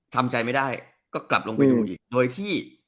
ทำใจไม่ได้ก็กลับลงไปดูอีกโดยที่